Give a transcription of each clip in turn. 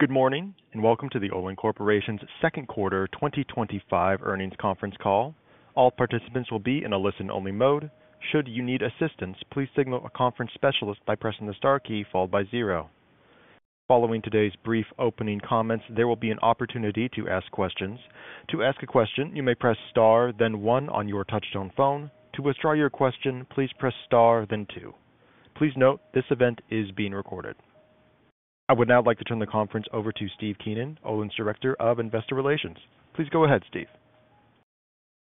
Good morning and welcome to the Olin Corporation's Second Quarter 2025 Earnings Conference Call. All participants will be in a listen-only mode. Should you need assistance, please signal a conference specialist by pressing the star key followed by zero. Following today's brief opening comments, there will be an opportunity to ask questions. To ask a question you may press star then one on your touch-tone phone. To withdraw your question, please press star then two. Please note this event is being recorded. I would now like to turn the conference over to Steve Keenan, Olin's Director of Investor Relations. Please go ahead Steve.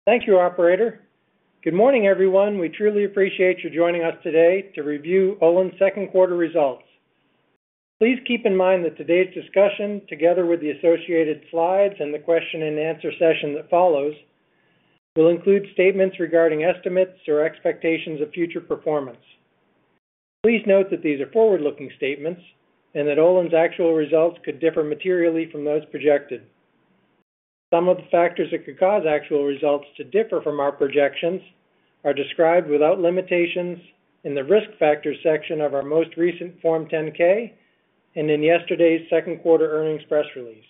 Thank you, Operator. Good morning, everyone. We truly appreciate your joining us today to review Olin's second quarter results. Please keep in mind that today's discussion, together with the associated slides and the Q&A session that follows, will include statements regarding estimates or expectations of future performance. Please note that these are forward-looking statements and that Olin's actual results could differ materially from those projected. Some of the factors that could cause actual results to differ from our projections are described, without limitation, in the Risk Factors section of our most recent Form 10-K and in yesterday's second quarter earnings press release.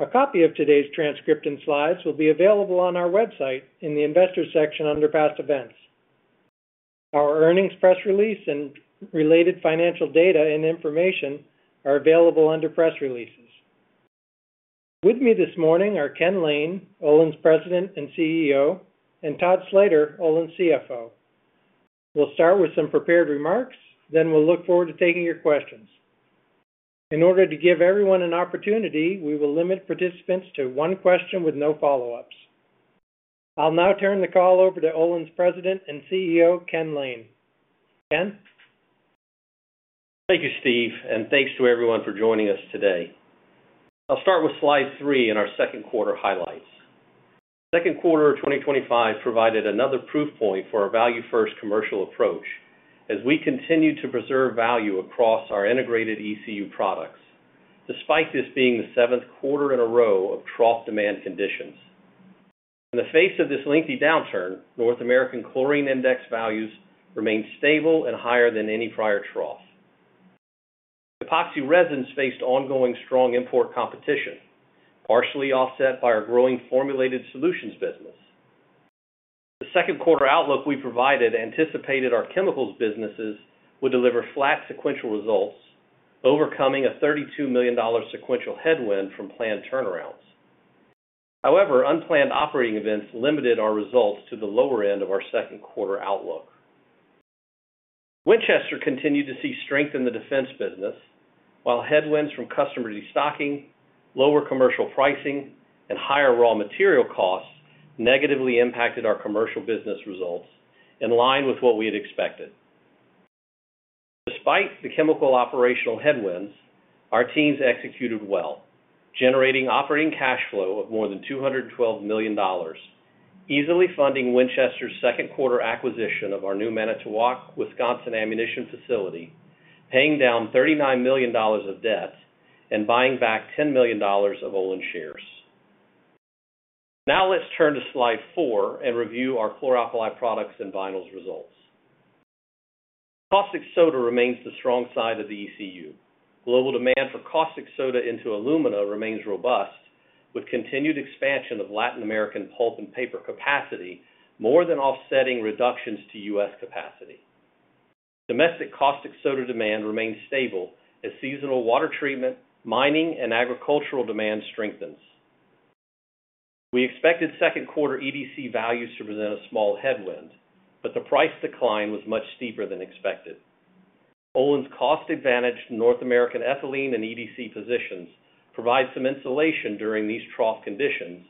A copy of today's transcript and slides will be available on our website in the investors section under Past Events. Our earnings press release and related financial data and information are available under Press Releases. With me this morning are Ken Lane, Olin's President and CEO, and Todd Slater, Olin's CFO. We'll start with some prepared remarks, then we'll look forward to taking your questions. In order to give everyone an opportunity, we will limit participants to one question with no follow-ups. I'll now turn the call over to Olin's President and CEO, Ken Lane. Ken, thank you, Steve, and thanks to everyone for joining us today. I'll start with slide three and our second quarter highlights. Second quarter 2025 provided another proof point for our value-first commercial approach as we continue to preserve value across our integrated ECU products. Despite this being the seventh quarter in a row of trough demand conditions, in the face of this lengthy downturn, North American chlorine index values remained stable and higher than any prior trough. Epoxy resins faced ongoing strong import competition, partially offset by our growing formulated solutions business. The second quarter outlook we provided anticipated our chemicals businesses would deliver flat sequential results, overcoming a $32 million sequential headwind from planned turnarounds. However, unplanned operating events limited our results to the lower end of our second quarter outlook. Winchester continued to see strength in the defense business while headwinds from customer destocking, lower commercial pricing, and higher raw material costs negatively impacted our commercial business results in line with what we had expected. Despite the chemical operational headwinds, our teams executed well, generating operating cash flow of more than $212 million, easily funding Winchester's second quarter acquisition of our new Manitowoc, Wisconsin ammunition facility, paying down $39 million of debt, and buying back $10 million of Olin shares. Now let's turn to slide four and review our Chlor Alkali Products and Vinyls results. Caustic soda remains the strong side of the ECU. Global demand for caustic soda into alumina remains robust with continued expansion of Latin American pulp and paper capacity, more than offsetting reductions to U.S. capacity. Domestic caustic soda demand remains stable as seasonal water treatment, mining, and agricultural demand strengthens. We expected second quarter EDC values to present a small headwind, but the price decline was much steeper than expected. Olin's cost-advantaged North American ethylene and EDC positions provide some insulation during these trough conditions,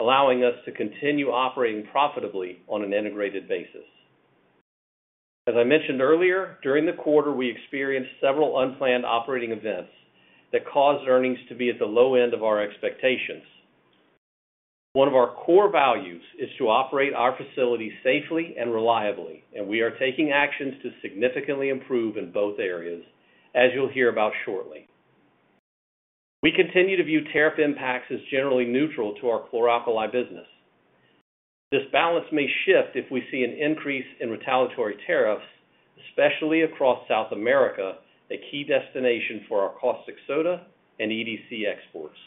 allowing us to continue operating profitably on an integrated basis. As I mentioned earlier, during the quarter we experienced several unplanned operating events that caused earnings to be at the low end of our expectations. One of our core values is to operate our facility safely and reliably, and we are taking actions to significantly improve in both areas. As you'll hear about shortly, we continue to view tariff impacts as generally neutral to our Chlor Alkali business. This balance may shift if we see an increase in retaliatory tariffs, especially across South America, a key destination for our caustic soda and EDC exports.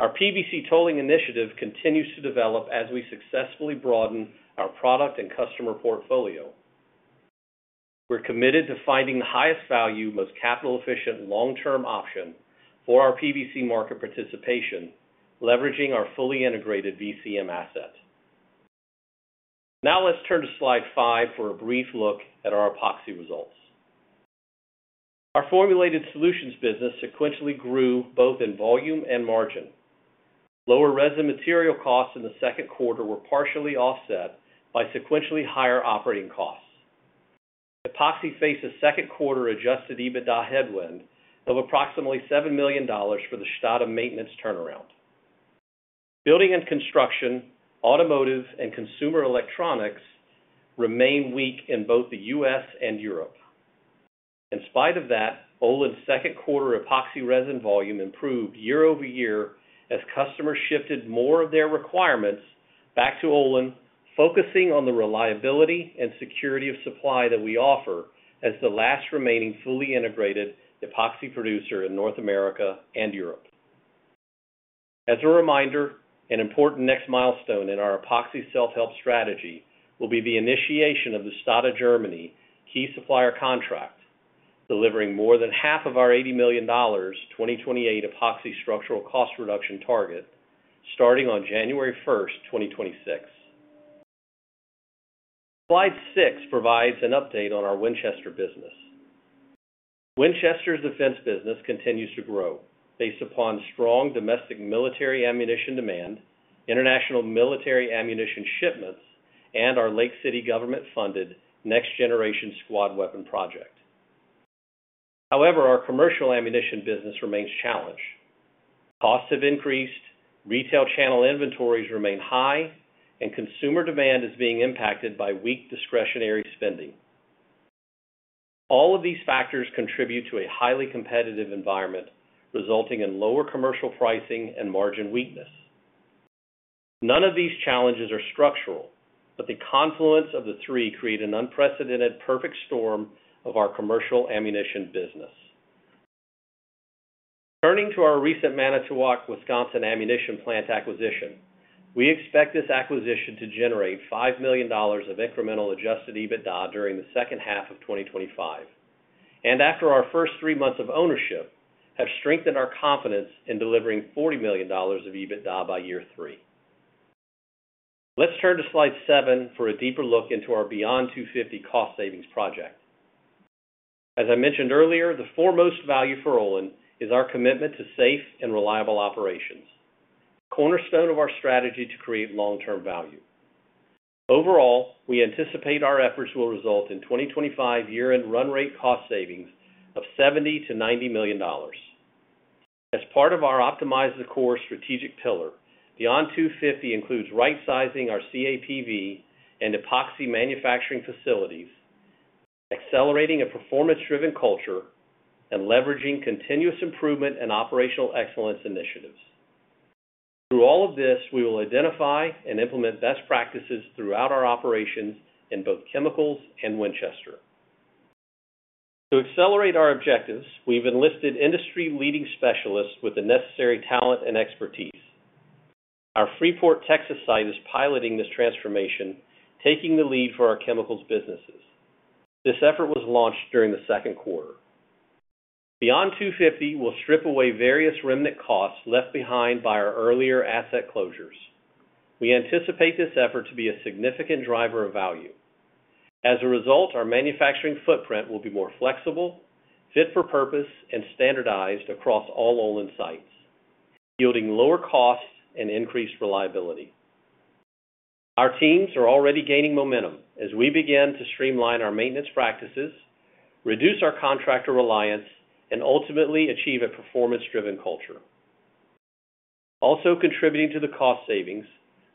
Our PVC tolling initiative continues to develop as we successfully broaden our product and customer portfolio. We're committed to finding the highest value, most capital efficient, long-term option for our PVC market participation, leveraging our fully integrated VCM asset. Now let's turn to slide five for a brief look at our epoxy results. Our Formulated Solutions business sequentially grew both in volume and margin. Lower resin material costs in the second quarter were partially offset by sequentially higher operating costs. Epoxy faced a second quarter adjusted EBITDA headwind of approximately $7 million for the Stade maintenance turnaround. Building and construction, automotive, and consumer electronics remain weak in both the U.S. and Europe. In spite of that, Olin's second quarter epoxy resin volume improved year-over-year as customers shifted more of their requirements back to Olin, focusing on the reliability and security of supply that we offer as the last remaining fully integrated epoxy producer in North America and Europe. As a reminder, an important next milestone in our epoxy self-help strategy will be the initiation of the Stade, Germany key supplier contract delivering more than half of our $80 million 2028 epoxy structural cost reduction target starting on January 1st, 2026. Slide six provides an update on our Winchester business. Winchester's defense business continues to grow based upon strong domestic military ammunition demand, international military ammunition shipments, and our Lake City government funded Next Generation Squad Weapon project. However, our commercial ammunition business remains challenged. Costs have increased, retail channel inventories remain high, and consumer demand is being impacted by weak discretionary spending. All of these factors contribute to a highly competitive environment resulting in lower commercial pricing and margin weakness. None of these challenges are structural, but the confluence of the three create an unprecedented perfect storm of our commercial ammunition business. Turning to our recent Manitowoc, Wisconsin ammunition plant acquisition, we expect this acquisition to generate $5 million of incremental adjusted EBITDA during the second half of 2025. After our first three months of ownership, we have strengthened our confidence in delivering $40 million of EBITDA by year three. Let's turn to slide 7 for a deeper look into our Beyond250 cost savings project. As I mentioned earlier, the foremost value for Olin is our commitment to safe and reliable operations, the cornerstone of our strategy to create long-term value. Overall, we anticipate our efforts will result in 2025 year-end run rate cost savings of $70 million-$90 million as part of our Optimize the Core strategic pillar. Beyond250 includes right-sizing our CAPV and epoxy manufacturing facilities, accelerating a performance-driven culture, and leveraging continuous improvement and operational excellence initiatives. Through all of this, we will identify and implement best practices throughout our operations in both chemicals and Winchester. To accelerate our objectives, we've enlisted industry-leading specialists with the necessary talent and expertise. Our Freeport, Texas site is piloting this transformation, taking the lead for our chemicals businesses. This effort was launched during the second quarter. Beyond250 will strip away various remnant costs left behind by our earlier asset closures. We anticipate this effort to be a significant driver of value. As a result, our manufacturing footprint will be more flexible, fit for purpose, and standardized across all Olin sites, yielding lower cost and increased reliability. Our teams are already gaining momentum as we begin to streamline our maintenance practices, reduce our contractor reliance, and ultimately achieve a performance-driven culture also contributing to the cost savings.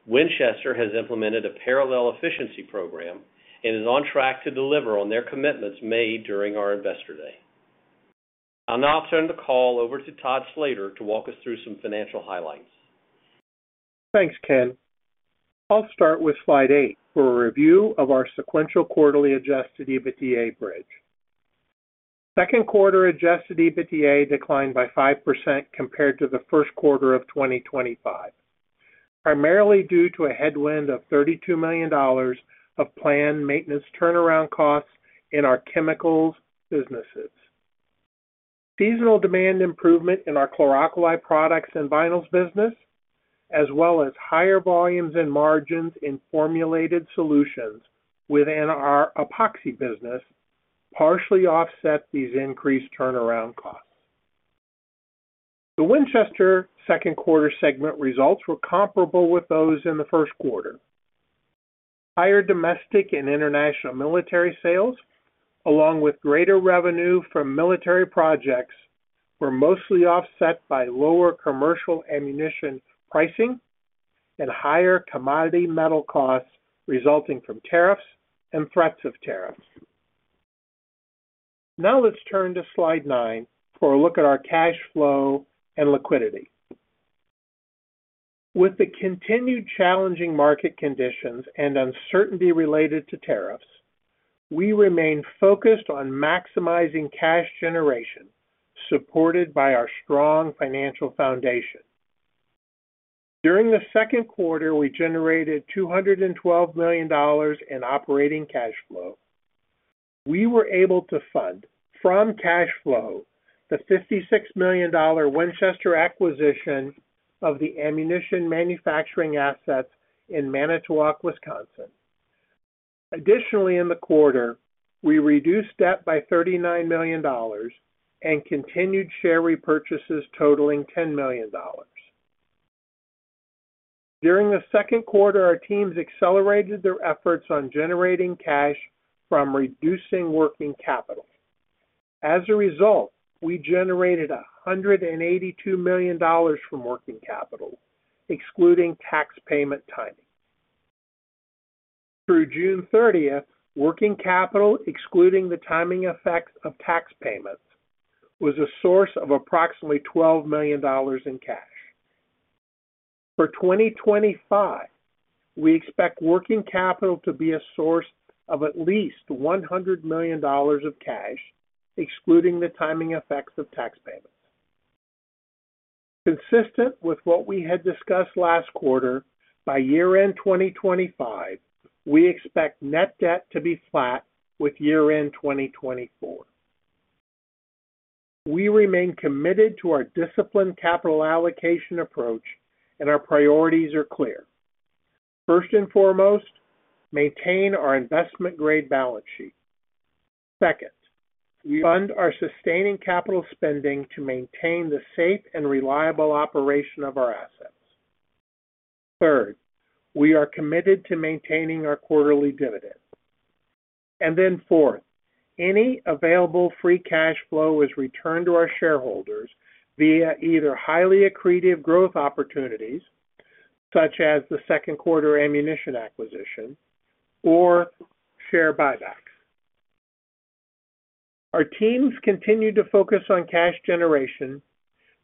Winchester has implemented a parallel efficiency program and is on track to deliver on their commitments made during our investor day. I'll now turn the call over to Todd Slater to walk us through some financial highlights. Thanks, Ken. I'll start with slide eight for a review of our sequential quarterly adjusted EBITDA bridge. Second quarter adjusted EBITDA declined by 5% compared to the first quarter of 2025, primarily due to a headwind of $32 million of planned maintenance turnaround costs in our chemicals businesses. Seasonal demand improvement in our Chlor Alkali Products and Vinyls business, as well as higher volumes and margins in formulated solutions within our epoxy business, partially offset these increased turnaround costs. The Winchester second quarter segment results were comparable with those in the first quarter. Higher domestic and international military sales, along with greater revenue from military projects, were mostly offset by lower commercial ammunition pricing and higher commodity metal costs resulting from tariffs and threats of tariffs. Now let's turn to slide nine for a look at our cash flow and liquidity. With the continued challenging market conditions and uncertainty related to tariffs, we remain focused on maximizing cash generation, supported by our strong financial foundation. During the second quarter, we generated $212 million in operating cash flow. We were able to fund from cash flow the $56 million Winchester acquisition of the ammunition manufacturing assets in Manitowoc, Wisconsin. Additionally, in the quarter we reduced debt by $39 million and continued share repurchases totaling $10 million. During the second quarter, our teams accelerated their efforts on generating cash from reducing working capital. As a result, we generated $182 million from working capital excluding tax payment timing. Through June 30th, working capital, excluding the timing effects of tax payments, was a source of approximately $12 million in cash. For 2025, we expect working capital to be a source of at least $100 million of cash, excluding the timing effects of tax payments. Consistent with what we had discussed last quarter, by year-end 2025 we expect net debt to be flat with year-end 2024. We remain committed to our disciplined capital allocation approach and our priorities are clear. First and foremost, maintain our investment grade balance sheet. Second, we fund our sustaining capital spending to maintain the safe and reliable operation of our assets. Third, we are committed to maintaining our quarterly dividend and then fourth, any available free cash flow is returned to our shareholders via either highly accretive growth opportunities such as the second quarter ammunition acquisition or share buybacks. Our teams continue to focus on cash generation,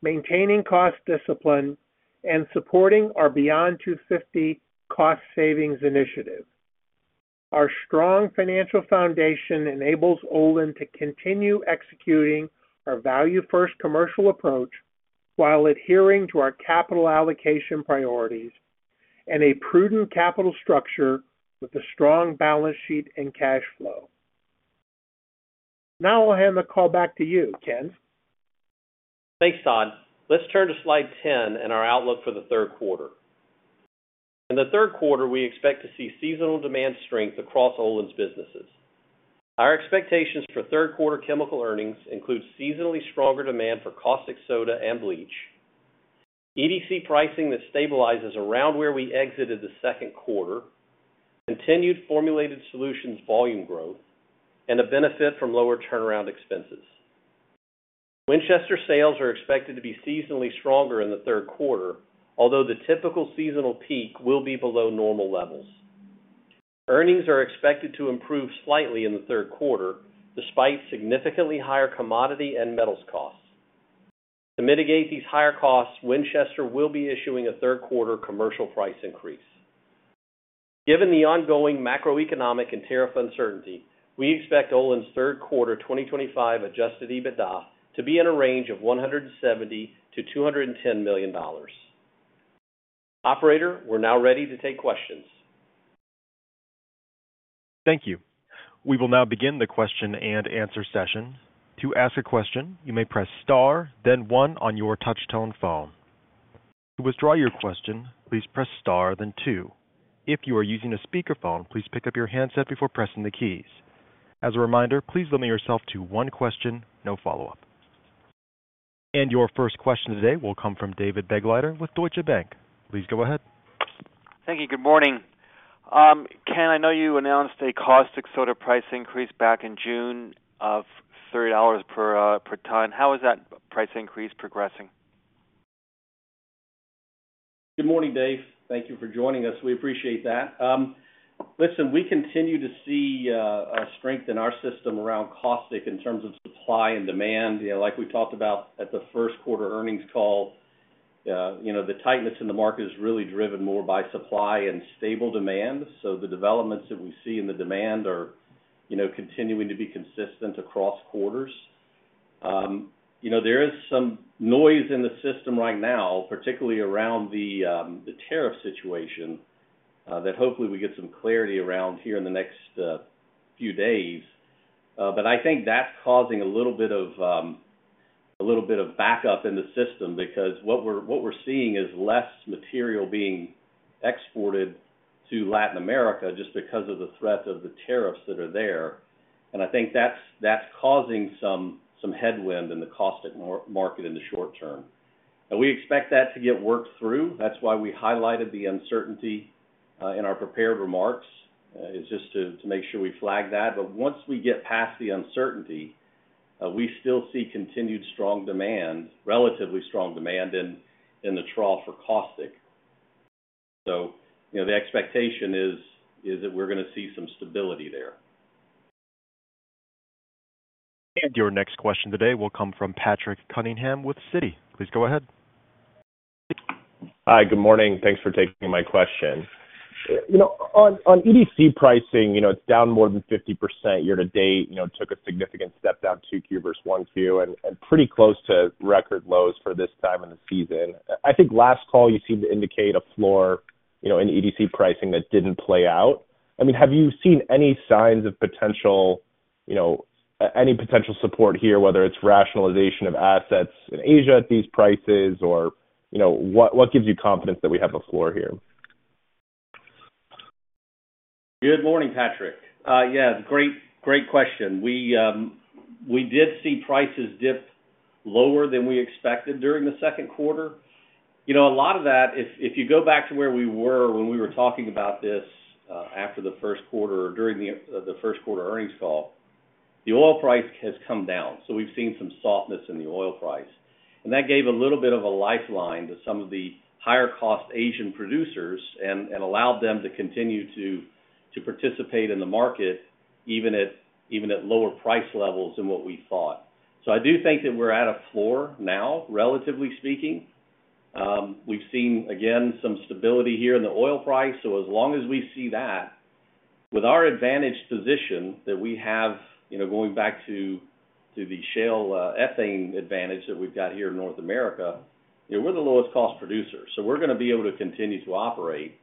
maintaining cost discipline and supporting our Beyond250 cost savings initiative. Our strong financial foundation enables Olin to continue executing our value first commercial approach while adhering to our capital allocation priorities and a prudent capital structure with a strong balance sheet and cash flow. Now I'll hand the call back to you, Ken. Thanks, Todd. Let's turn to slide 10 and our outlook for the third quarter. In the third quarter, we expect to see seasonal demand strength across Olin's businesses. Our expectations for third quarter chemical earnings include seasonally stronger demand for caustic soda and bleach, EDC pricing that stabilizes around where we exited the second quarter, continued formulated solutions volume growth, and a benefit from lower turnaround expenses. Winchester sales are expected to be seasonally stronger in the third quarter, although the typical seasonal peak will be below normal levels. Earnings are expected to improve slightly in the third quarter despite significantly higher commodity and metals costs. To mitigate these higher costs, Winchester will be issuing a third quarter commercial price increase. Given the ongoing macroeconomic and tariff uncertainty, we expect Olin's third quarter 2025 adjusted EBITDA to be in a range of $170 million-$210 million. Operator, we're now ready to take questions. Thank you. We will now begin the Q&A session. To ask a question, you may press star then one on your touch-tone phone. To withdraw your question, please press star then two. If you are using a speakerphone, please pick up your handset before pressing the keys. As a reminder, please limit yourself to one question. No follow-up and your first question today will come from David Begleiter with Deutsche Bank. Please go ahead. Thank you. Good morning, Ken. I know you announced a caustic soda price increase back in June of $30 per tonne. How is that price increase progressing? Good morning, Dave. Thank you for joining us. We appreciate that. We continue to see strength in our system around caustic in terms of supply and demand, like we talked about at the first quarter earnings call. The tightness in the market is really driven more by supply and stable demand. The developments that we see in the demand are continuing to be consistent across quarters. There is some noise in the system right now, particularly around the tariff situation that hopefully we get some clarity around here in the next few days. I think that's causing a little bit of backup in the system because what we're seeing is less material being exported to Latin America just because of the threat of the tariffs that are there. I think that's causing some headwind in the caustic market in the short term. We expect that to get worked through. That's why we highlighted the uncertainty in our prepared remarks, just to make sure we flag that. Once we get past the uncertainty, we still see continued strong demand, relatively strong demand in the trough for caustic. The expectation is that we're going to see some stability there. Your next question today will come from Patrick Cunningham with Citi. Please go ahead. Hi, good morning. Thanks for taking my question. On EDC pricing, it's down more than 50% year to date. It took a significant step down in 2Q versus 1Q and is pretty close to record lows for this time in the season. I think last call you seemed to indicate a floor in EDC pricing that didn't play out. Have you seen any signs of potential support here, whether it's rationalization of assets in Asia at these prices or what gives you confidence that we have a floor here? Good morning, Patrick. Great question. We did see prices dip lower than we expected during the second quarter. A lot of that, if you go back to where we were when we were talking about this after the first quarter or during the first quarter earnings call, the oil price has come down. We've seen some softness in the oil price and that gave a little bit of a lifeline to some of the higher-cost Asian producers and allowed them to continue to participate in the market even at lower price levels than what we thought. I do think that we're at a floor now, relatively speaking. We've seen again some stability here in the oil price. As long as we see that with our advantaged position that we have, going back to the shale ethane advantage that we've got here in North America, we're the lowest-cost producer so we're going to be able to continue to operate.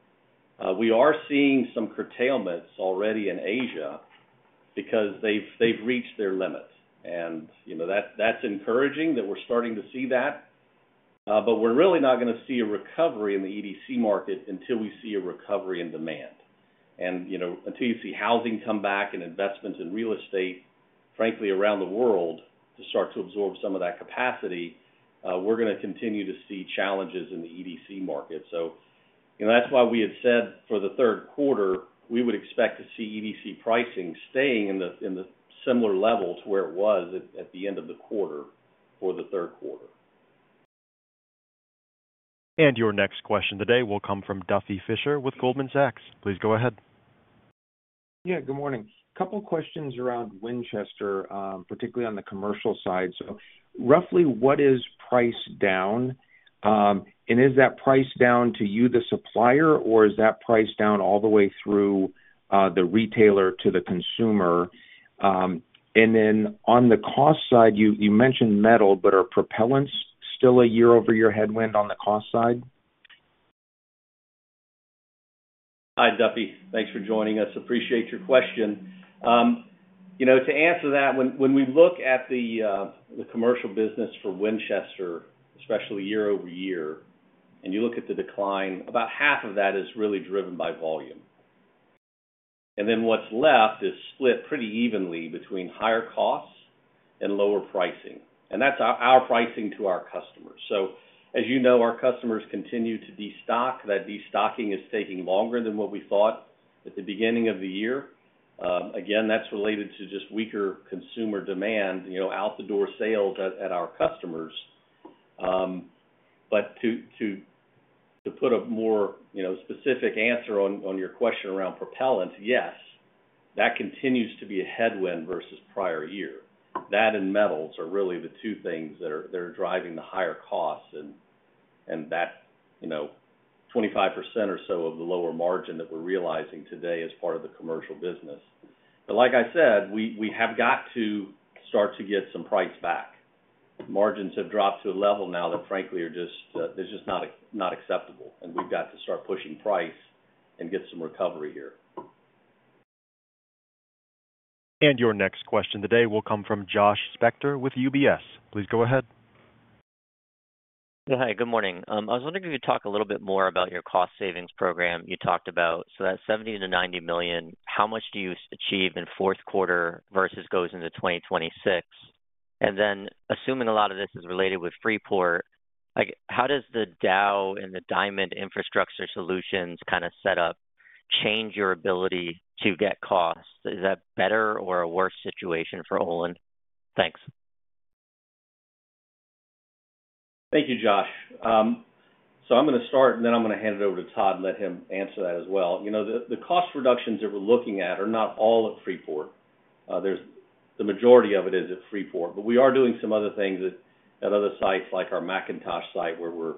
We are seeing some curtailments already in Asia because they've reached their limit and that's encouraging that we're starting to see that. We're really not going to see a recovery in the EDC market until we see a recovery in demand and until you see housing come back and investments in real estate, frankly around the world, to start to absorb some of that capacity, we're going to continue to see challenges in the EDC market. That's why we had said for the third quarter we would expect to see EDC pricing staying in the similar level to where it was at the end of the quarter for the third quarter. Your next question today will come from Duffy Fischer with Goldman Sachs, please go ahead. Yeah, good morning. Couple questions around Winchester, particularly on the commercial side. Roughly what is price down and is that price down to you, the supplier, or is that price down all the way through the retailer to the consumer? On the cost side you mentioned metal, but are propellants still a year-over-year headwind on the cost side? Hi Duffy, thanks for joining us. Appreciate your question. To answer that, when we look at the commercial business for Winchester, especially year-over-year and you look at the decline, about half of that is really driven by volume. What's left is split pretty evenly between higher costs and lower pricing. That's our pricing to our customers. As you know, our customers continue to destock. That destocking is taking longer than what we thought at the beginning of the year. That's related to just weaker consumer demand, out the door sales at our customers. To put a more specific answer on your question around propellant, yes, that continues to be a headwind versus prior year. That and metals are really the two things that are driving the higher costs and that 25% or so of the lower margin that we're realizing today as part of the commercial business. Like I said, we have got to start to get some price back. Margins have dropped to a level now that frankly are just not acceptable and we've got to start pushing price and get some recovery here. Your next question today will come from Josh Spector with UBS. Please go ahead. Hi, good morning. I was wondering if you could talk a little bit more about your cost savings program. You talked about that $70 million-$90 million, how much do you achieve in fourth quarter versus goes into 2026? Assuming a lot of this is related with Freeport, how does the Dow and the Diamond Infrastructure Solutions kind of set up change your ability to get costs? Is that better or a worse situation for Olin? Thanks. Thank you, Josh. I'm going to start and then I'm going to hand it over to Todd and let him answer that as well. The cost reductions that we're looking at are not all at Freeport. The majority of it is at Freeport, but we are doing some other things at other sites like our McIntosh site where we're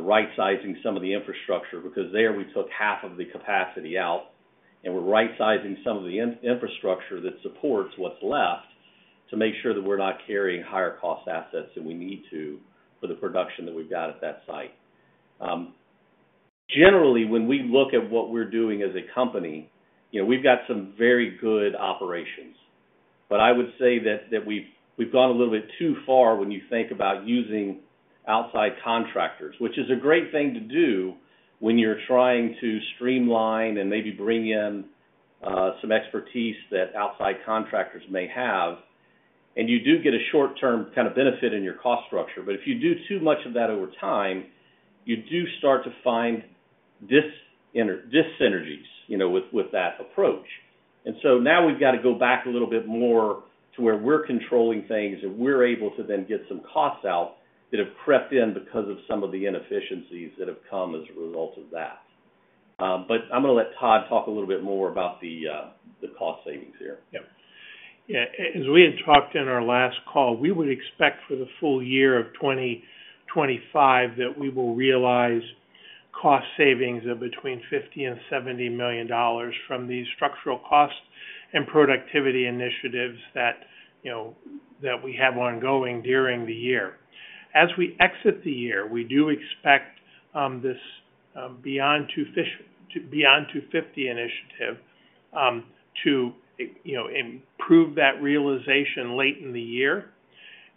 right sizing some of the infrastructure because there we took half of the capacity out and we're right sizing some of the infrastructure that supports what's left to make sure that we're not carrying higher cost assets than we need to for the production that we've got at that site. Generally, when we look at what we're doing as a company, we've got some very good operations. I would say that we've gone a little bit too far when you think about using outside contractors, which is a great thing to do when you're trying to streamline and maybe bring in some expertise that outside contractors may have. You do get a short term kind of benefit in your cost structure. If you do too much of that over time, you do start to find dis-synergies with that approach. Now we've got to go back a little bit more to where we're controlling things and we're able to then get some costs out that have crept in because of some of the inefficiencies that have come as a result of that. I'm going to let Todd talk a little bit more about the cost savings here. As we had talked in our last call, we would expect for the full year of 2025 that we will realize cost savings of between $50 million-$70 million from these structural cost and productivity initiatives that we have ongoing during the year as we exit the year. We do expect this Beyond250 initiative to improve that realization late in the year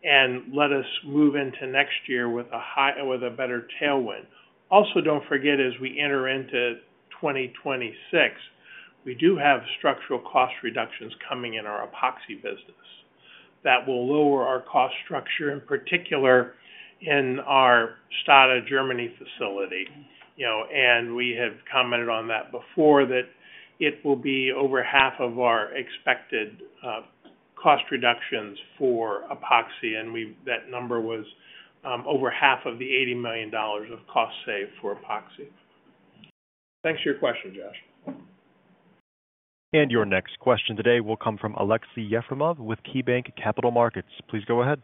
and let us move into next year with a better tailwind. Also, don't forget, as we enter into 2026, we do have structural cost reductions coming in our epoxy business that will lower our cost structure, in particular in our Stade, Germany facility. We have commented on that before, that it will be over half of our expected cost reductions for epoxy. That number was over half of the $80 million of cost save for epoxy. Thanks for your question, Josh. Your next question today will come from Aleksey Yefremov with KeyBanc Capital Markets. Please go ahead.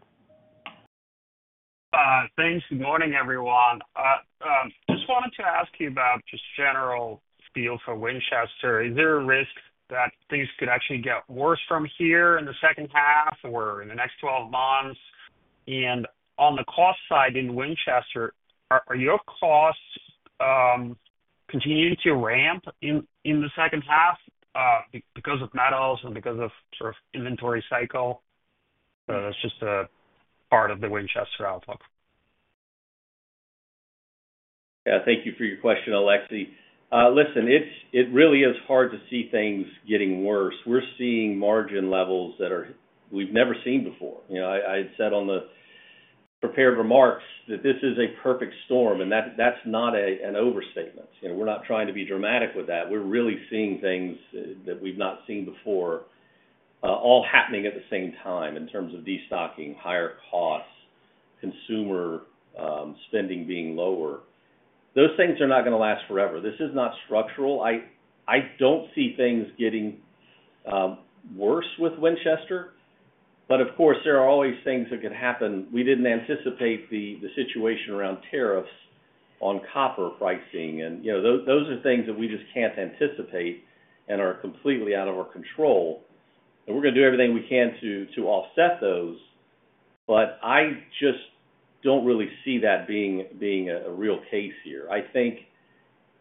Thanks. Good morning, everyone. I just wanted to ask you about the general feel for Winchester. Is there a risk that things could actually get worse from here? Second half or in the next 12 months? On the cost side in Winchester, are your costs continuing to ramp in the second half because of metals? Because of sort of inventory cycle, that's just a part of the Winchester outlook? Thank you for your question, Aleksey. Listen, it really is hard to see things getting worse. We're seeing margin levels that are never seen before. I had said on the prepared remarks that this is a perfect storm, and that's not an overstatement. We're not trying to be dramatic with that. We're really seeing things that we've not seen before all happening at the same time in terms of destocking, higher costs, consumer spending being lower. Those things are not going to last forever. This is not structural. I don't see things getting worse with Winchester. Of course, there are always things that could happen. We didn't anticipate the situation around tariffs on copper pricing, and those are things that we just can't anticipate and are completely out of our control. We're going to do everything we can to offset those. I just don't really see that being a real case here. I think,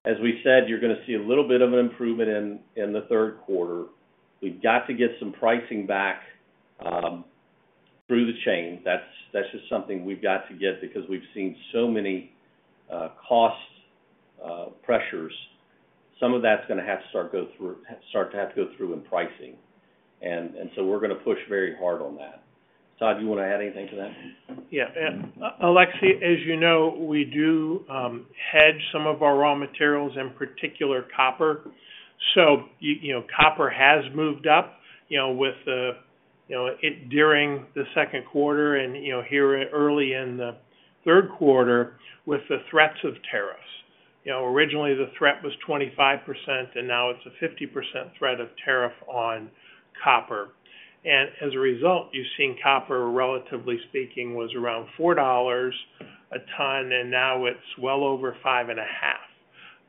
as we said, you're going to see a little bit of an improvement in the third quarter. We've got to get some pricing back through the chain. That's just something we've got to get because we've seen so many cost pressures. Some of that's going to have to start to go through in pricing, and we're going to push very hard on that. Todd, do you want to add anything to that? Yeah, Aleksey, as you know, we do hedge some of our raw materials, in particular copper. Copper has moved up during the second quarter and here early in the third quarter with the threats of tariffs. Originally the threat was 25%, and now it's a 50% threat of tariff on copper. As a result, you've seen copper, relatively speaking, was around $4 a tonne and now it's well over $5.50.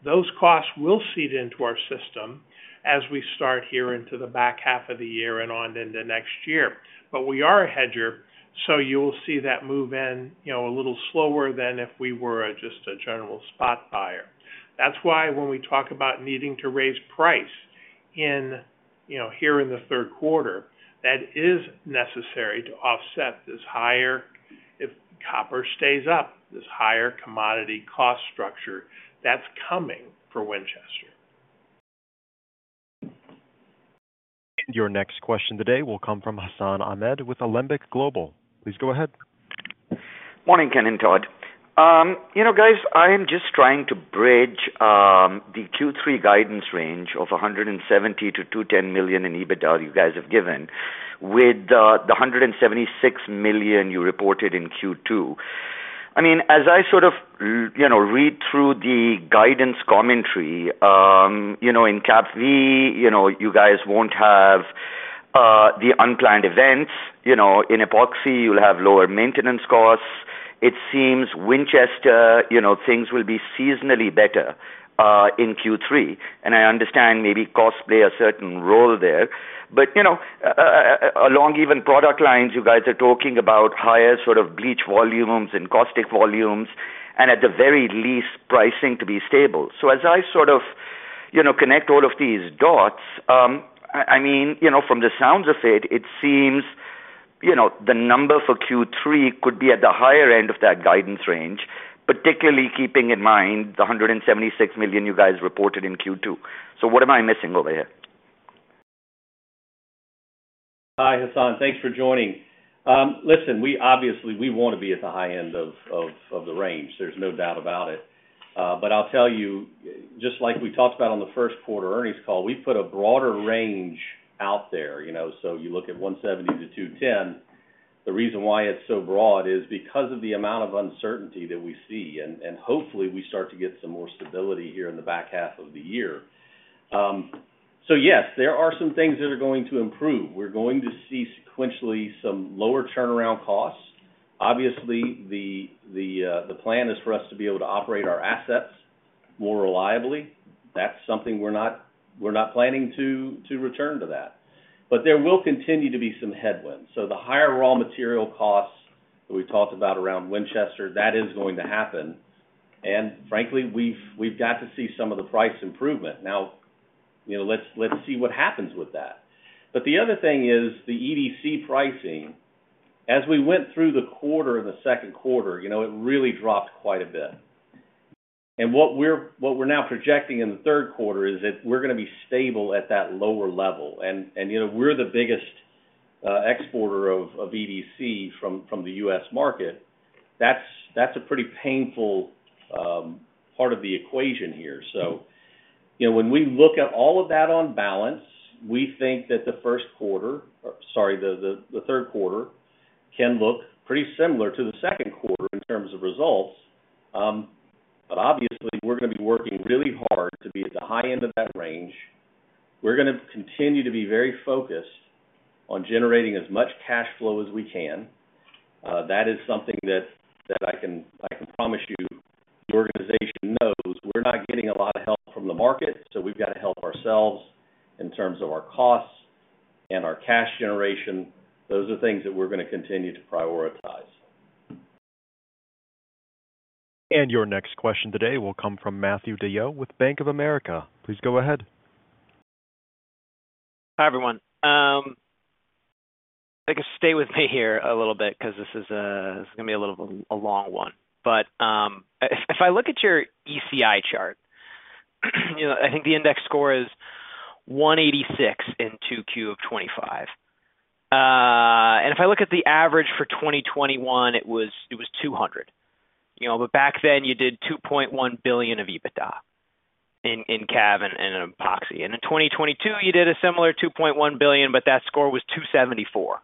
Those costs will seed into our system as we start here into the back-half of the year and on into next year. We are a hedger, so you will see that move in a little slower than if we were just a general spot buyer. That's why when we talk about needing to raise price in here in the third quarter, that is necessary to offset this higher. If copper stays up, this higher commodity cost structure that's coming for Winchester. Your next question today will come from Hassan Ahmed with Alembic Global. Please go ahead. Morning, Ken and Todd. You know, guys, I am just trying to bridge the Q3 guidance range of $170 million-$210 million in EBITDA you guys have given with the $176 million you reported in Q2. I mean, as I sort of read through the guidance commentary in CAPV, you guys won't have the unplanned events in epoxy, you'll have lower maintenance costs. It seems Winchester, things will be seasonally better in Q3. I understand maybe costs play a certain role there. Along even product lines, you guys are talking about higher sort of bleach volumes and caustic volumes and at the very least, pricing to be stable. As I sort of, you know, connect all of these dots, I mean, from the sounds of it, it seems the number for Q3 could be at the higher end of that guidance range, particularly keeping in mind the $176 million you guys reported in Q2. What am I missing over here? Hi, Hassan, thanks for joining. We obviously want to be at the high end of the range, there's no doubt about it. I'll tell you, just like we talked about on the first quarter earnings call, we put a broader range out there, you know, so you look at $170 million-$210 million. The reason why it's so broad is because of the amount of uncertainty that we see. Hopefully we start to get some more stability here in the back half of the year. Yes, there are some things that are going to improve. We're going to see sequentially some lower turnaround costs. Obviously, the plan is for us to be able to operate our assets more reliably. That's something we're not planning to return to, but there will continue to be some headwinds. The higher raw material costs that we talked about around Winchester, that is going to happen. Frankly, we've got to see some of the price improvement now. Let's see what happens with that. The other thing is the EDC pricing, as we went through the quarter in the second quarter, it really dropped quite a bit. What we're now projecting in the third quarter is that we're going to be stable at that lower level. We're the biggest exporter of EDC from the U.S. market. That's a pretty painful part of the equation here. When we look at all of that, on balance, we think that the third quarter can look pretty similar to the second quarter in terms of results. Obviously, we're going to be working really hard to be at the high end of that range. We're going to continue to be very focused on generating as much cash flow as we can. That is something that I can promise you. The organization knows we're not getting a lot of help from the market. We've got to help ourselves in terms of our costs and our cash generation. Those are things that we're going to continue to prioritize. Your next question today will come from Matthew DeYoe with Bank of America. Please go ahead. Hi everyone. Stay with me here a little bit because this is going to be a little long one, but if I look at your ECI chart, I think the index score is 186 in 2Q of 2025. If I look at the average for 2021, it was 200. Back then you did $2.1 billion of EBITDA in CAPV and epoxy. In 2022 you did a similar $2.1 billion, but that score was 274.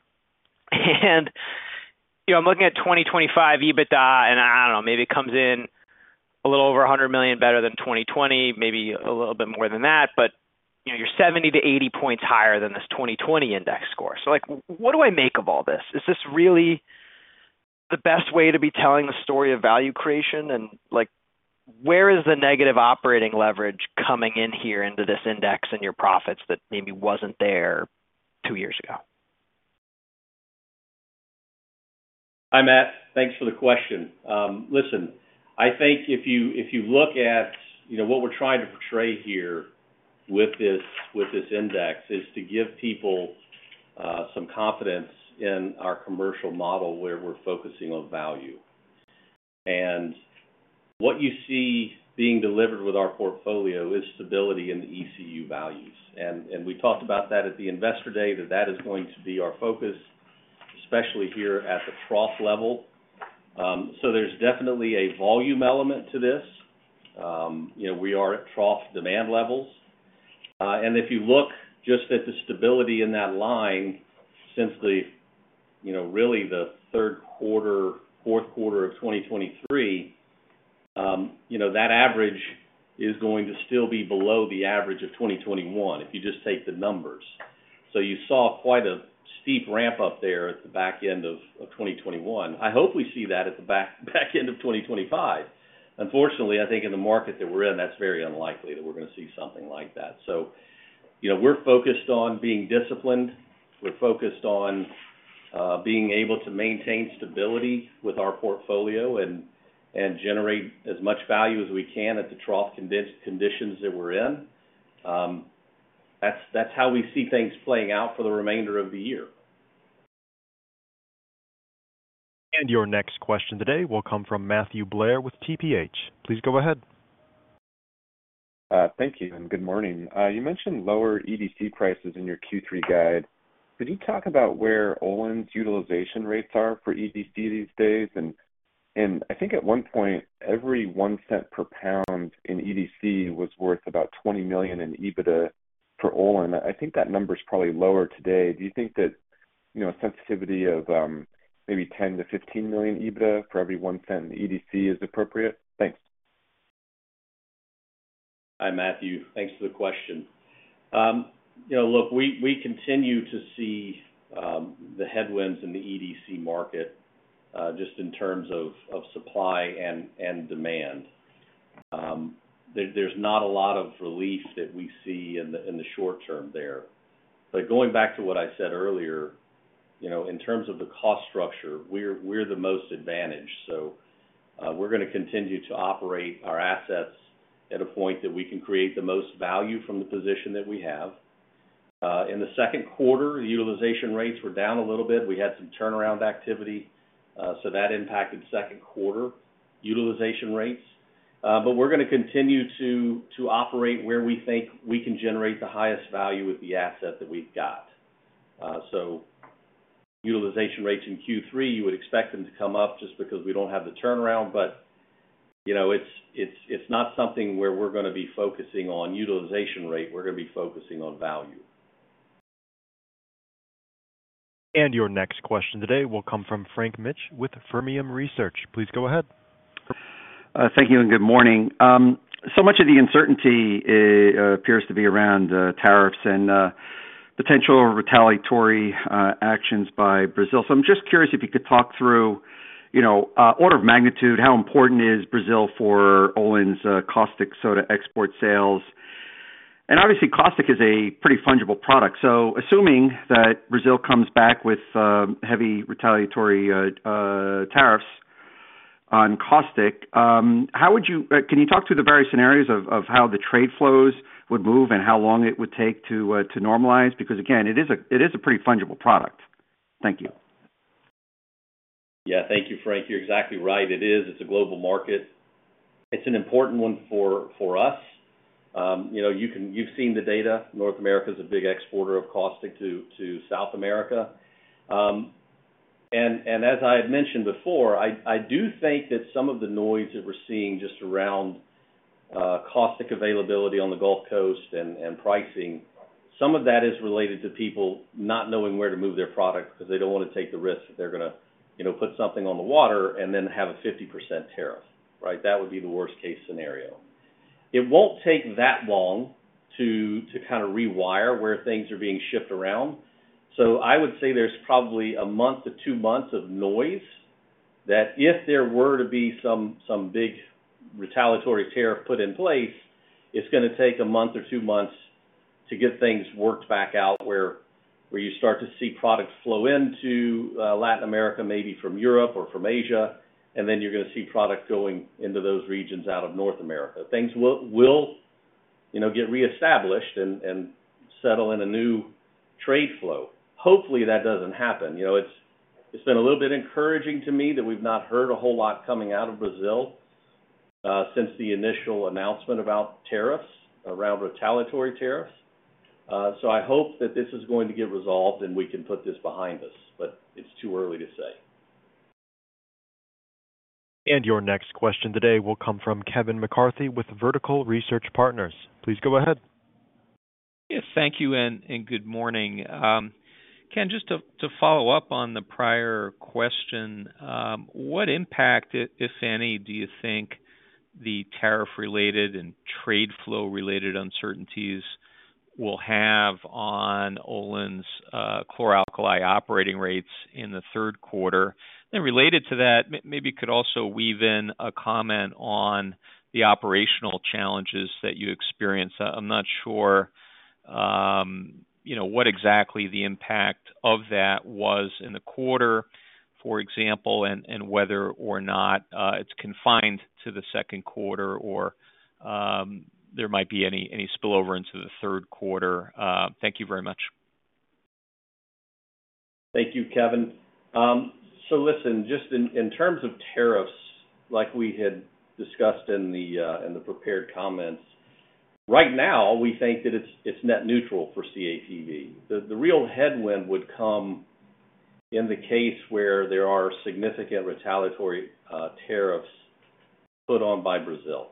I'm looking at 2025 EBITDA, and I don't know, maybe it comes in a little over $100 million better than 2020, maybe a little bit more than that. You're 70-80 points higher than this 2020 index score. What do I make of all this? Is this really the best way to be telling the story of value creation? Where is the negative operating leverage coming in here into this index and your profits that maybe wasn't there two years ago? Hi, Matt, thanks for the question. I think if you look at what we're trying to portray here with this index, it is to give people some confidence in our commercial model where we're focusing on value. What you see being delivered with our portfolio is stability in the ECU values. We talked about that at the investor day, that is going to be our focus, especially here at the trough level. There is definitely a volume element to this. We are at trough demand levels. If you look just at the stability in that line since the third quarter, fourth quarter of 2023, that average is still going to be below the average of 2021 if you just take the numbers. You saw quite a steep ramp up there at the back end of 2021. I hope we see that at the back end of 2025. Unfortunately, I think in the market that we're in, that's very unlikely that we're going to see something like that. We are focused on being disciplined. We're focused on being able to maintain stability with our portfolio and generate as much value as we can at the trough conditions that we're in. That's how we see things playing out for the remainder of the year. Your next question today will come from Matthew Blair with TPH. Please go ahead. Thank you and good morning. You mentioned lower EDC prices in your Q3 guide. Could you talk about where Olin's utilization rates are for EDC these days? I think at one point every $0.01 per pound in EDC was worth about $20 million in EBITDA for Olin. I think that number is probably lower today. Do you think that a sensitivity of maybe $10 million-$15 million EBITDA for every $0.01 EDC is appropriate? Thanks. Hi, Matthew. Thanks for the question. You know, we continue to see the headwinds in the EDC market just in terms of supply and demand. There's not a lot of relief that we see in the short term there. Going back to what I said earlier, in terms of the cost structure, we're the most advantaged. We're going to continue to operate our assets at a point that we can create the most value from the position that we have. In the second quarter, utilization rates were down a little bit. We had some turnaround activity, so that impacted second quarter utilization rates. We're going to continue to operate where we think we can generate the highest value with the asset that we've got. Utilization rates in Q3, you would expect them to come up just because we don't have the turnaround. It's not something where we're going to be focusing on utilization rate. We're going to be focusing on value. Your next question today will come from Frank Mitsch with Fermium Research. Please go ahead. Thank you, and good morning. Much of the uncertainty appears to be around tariffs and potential retaliatory actions by Brazil. I'm just curious if you could talk through, you know, order of magnitude. How important is Brazil for Olin's caustic soda export sales? Caustic is a pretty fungible product. Assuming that Brazil comes back with heavy retaliatory tariffs on caustic, how would. Can you talk to the various scenarios of how the trade flows would move and how long it would take to normalize? Because again, it is a pretty fungible product. Thank you. Yeah, thank you, Frank. You're exactly right. It is, it's a global market. It's an important one for us. You know, you can, you've seen the data. North America is a big exporter of caustic soda to South America. As I had mentioned before, I do think that some of the noise that we're seeing just around caustic soda availability on the Gulf Coast and pricing, some of that is related to people not knowing where to move their product because they don't want to take the risk that they're going to put something on the water and then have a 50% tariff. That would be the worst case scenario. It won't take that long to kind of rewire where things are being shipped around. I would say there's probably a month to two months of noise that if there were to be some big retaliatory tariff put in place, it's going to take a month or two months to get things worked back out where you start to see products flow into Latin America, maybe from Europe or from Asia, and then you're going to see product going into those regions out of North America. Things will get reestablished and settle in a new trade flow. Hopefully that doesn't happen. It's been a little bit encouraging to me that we've not heard a whole lot coming out of Brazil since the initial announcement about tariffs around retaliatory tariffs. I hope that this is going to get resolved and we can put this behind us, but it's too early to say. Your next question today will come from Kevin McCarthy with Vertical Research Partners. Please go ahead. Thank you and good morning. Ken, just to follow up on the prior question, what impact, if any, do you think the tariff-related and trade flow-related uncertainties will have on Olin's Chlor Alkali operating rates in the third quarter? Related to that, maybe you could also weave in a comment on the operational challenges that you experience. I'm not sure what exactly the impact of that was in the quarter, for example, and whether or not it's confined to the second quarter or there might be any spillover into the third quarter. Thank you very much. Thank you, Kevin. In terms of tariffs, like we had discussed in the prepared comments, right now we think that it's net neutral for CAPV. The real headwind would come in the case where there are significant retaliatory tariffs put on by Brazil.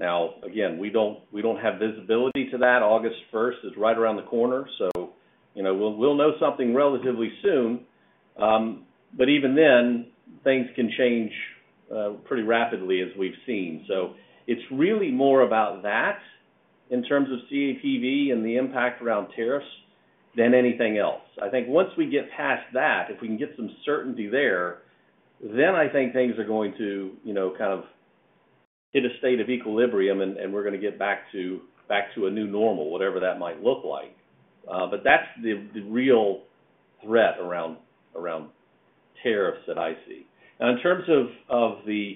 We don't have visibility to that. August 1st is right around the corner, so we'll know something relatively soon. Even then, things can change pretty rapidly as we've seen. It's really more about that in terms of CAPV and the impact around tariffs than anything else. I think once we get past that, if we can get some certainty there, then I think things are going to kind of hit a state of equilibrium and we're going to get back to a new normal, whatever that might look like. That's the real threat around tariffs that I see. Now, in terms of the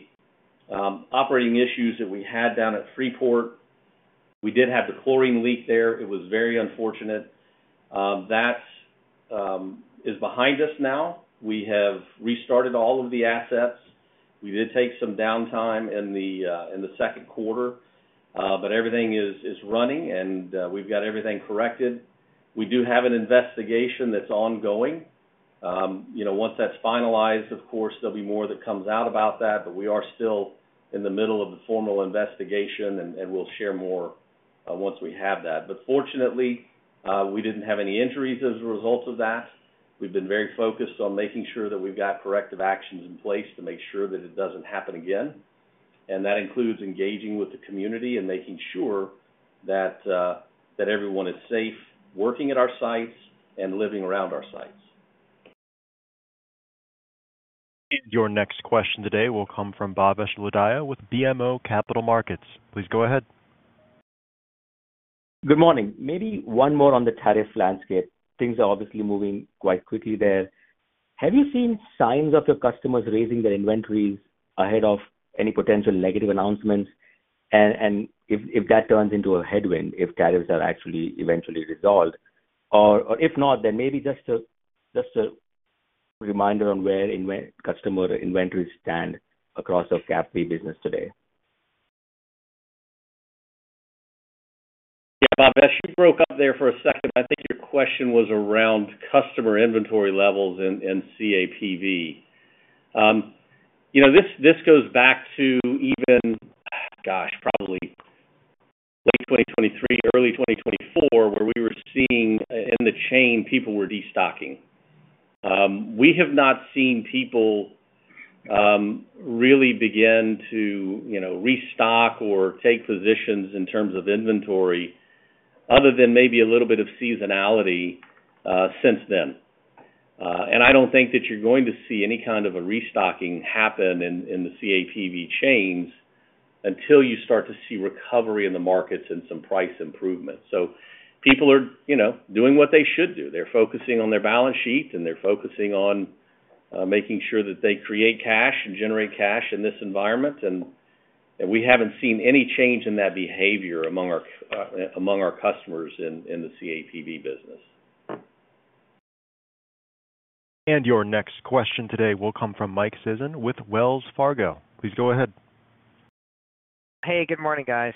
operating issues that we had down at Freeport, we did have the chlorine leak there. It was very unfortunate. That is behind us now. We have restarted all of the assets. We did take some downtime in the second quarter, but everything is running and we've got everything corrected. We do have an investigation that's ongoing. Once that's finalized, of course, there'll be more that comes out about that. We are still in the middle of the formal investigation and we'll share more once we have that. Fortunately, we didn't have any injuries as a result of that. We've been very focused on making sure that we've got corrective actions in place to make sure that it does not happen again. That includes engaging with the community and making sure that everyone is safe, working at our sites and living around our sites. Your next question today will come from Bhavesh Lodaya with BMO Capital Markets. Please go ahead. Good morning. Maybe one more on the tariff landscape. Things are obviously moving quite quickly there. Have you seen signs of your customers raising their inventories ahead of any potential negative announcements? If that turns into a headwind. If tariffs are actually eventually resolved. If not, then maybe just a reminder on where customer inventories stand across our CAPV business today. Yeah, Bhavesh, you broke up there for a second. I think your question was around customer inventory levels and CAPV. This goes back to even, gosh, probably late 2023, early 2024, where we were seeing in the chain people were destocking. We have not seen people really begin to restock or take positions in terms of inventory other than maybe a little bit of seasonality since then. I don't think that you're going to see any kind of a restocking happen in the CAPV chains until you start to see recovery in the markets and some price improvements. People are doing what they should do. They're focusing on their balance sheet and they're focusing on making sure that they create cash and generate cash in this environment. We haven't seen any change in that behavior among our customers in the CAPV business. Your next question today will come from Mike Sison with Wells Fargo. Please go ahead. Hey, good morning, guys.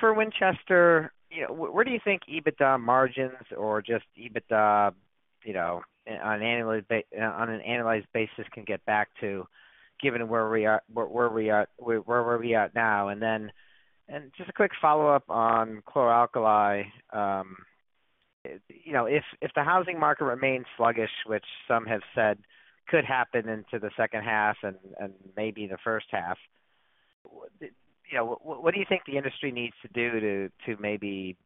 For Winchester, where do you think EBITDA margins or just EBITDA on an annualized basis can get back to given where we are now? Just a quick follow-up on Chlor Alkali. If the housing market remains sluggish, which some have said could happen into the second half and maybe the first half, what do you think the industry needs to do to maybe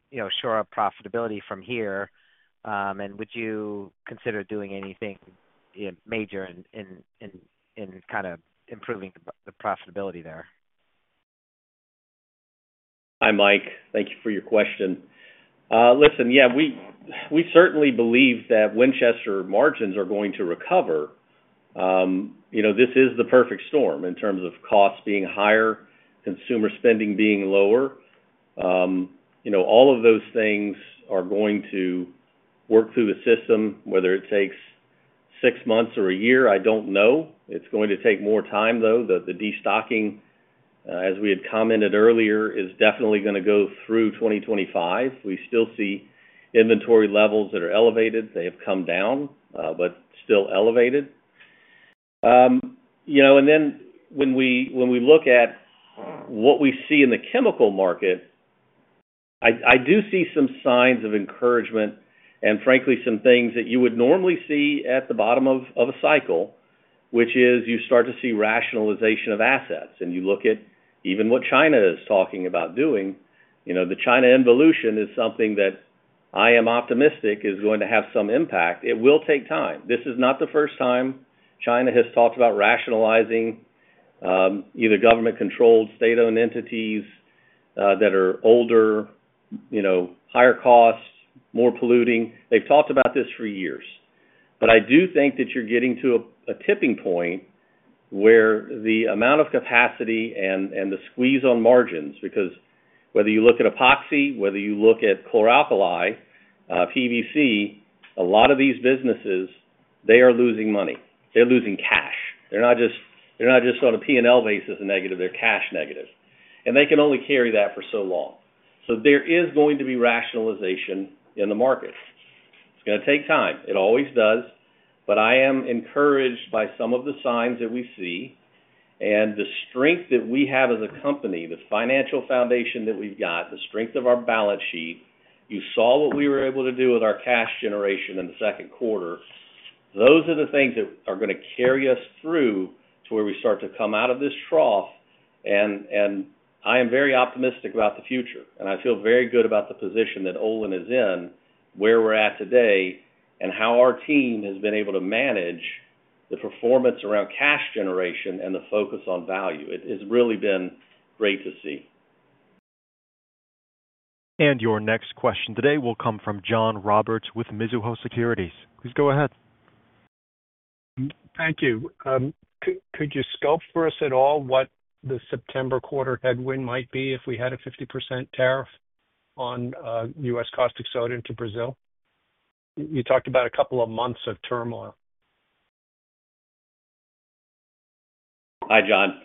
shore up profitability from here? Would you consider doing anything major in kind of improving the profitability there? Hi Mike, thank you for your question. Listen, we certainly believe that Winchester margins are going to recover. This is the perfect storm in terms of costs being higher, consumer spending being lower. All of those things are going to work through the system. Whether it takes six months or a year, I don't know. It's going to take more time though. The destocking, as we had commented earlier, is definitely going to go through 2025. We still see inventory levels that are elevated. They have come down, but still elevated. When we look at what we see in the chemical market, I do see some signs of encouragement and frankly some things that you would normally see at the bottom of a cycle, which is you start to see rationalization of assets and you look at even what China is talking about doing. The China involution is something that I am optimistic is going to have some impact. It will take time. This is not the first time China has talked about rationalizing either government controlled, state owned entities that are older, higher cost, more polluting. They've talked about this for years. I do think that you're getting to a tipping point where the amount of capacity and the squeeze on margins because whether you look at epoxy, whether you look at Chlor Alkali, PVC, a lot of these businesses, they are losing money, they're losing cash. They're not just on a P&L basis a negative, they're cash negative. They can only carry that for so long. There is going to be rationalization in the market. It's going to take time, it always does. I am encouraged by some of the signs that we see and the strength that we have as a company, the financial foundation that we've got, the strength of our balance sheet. You saw what we were able to do with our cash generation in the second quarter. Those are the things that are going to carry us through to where we start to come out of this trough. I am very optimistic about the future and I feel very good about the position that Olin is in, where we're at today and how our team has been able to manage the performance around cash generation and the focus on value. It has really been great to see. Your next question today will come from John Roberts with Mizuho Securities. Please go ahead. Thank you. Could you scope for us at all what the September quarter headwind might be if we had a 50% tariff on? U.S. caustic soda into Brazil? You talked about a couple of months of turmoil. Hi, John,